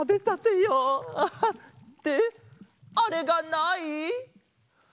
ってあれがない？